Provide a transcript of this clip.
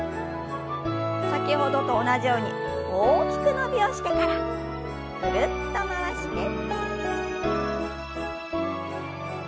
先ほどと同じように大きく伸びをしてからぐるっと回して。